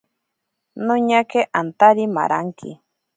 Noñake antari maranki.